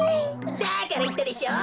だからいったでしょう。